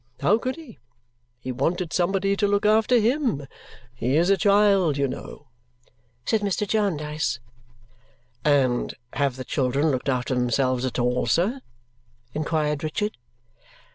How could he? He wanted somebody to look after HIM. He is a child, you know!" said Mr. Jarndyce. "And have the children looked after themselves at all, sir?" inquired Richard.